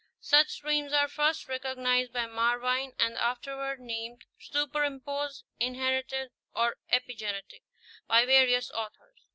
Such streams were first recognized by Marvine, and afterwards named "superimposed," "inherited" or "epigenetic" by various authors.